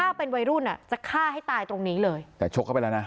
ถ้าเป็นวัยรุ่นอ่ะจะฆ่าให้ตายตรงนี้เลยแต่ชกเข้าไปแล้วนะ